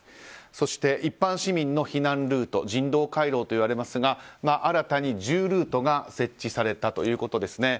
そして、一般市民の避難ルート人道回廊といわれますが新たに１０ルートが設置されたということです。